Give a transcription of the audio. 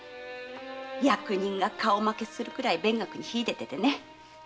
役人が顔負けするくらい勉学に秀でててね。